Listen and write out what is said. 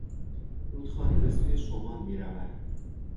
رودخانه به سوی شمال میرود.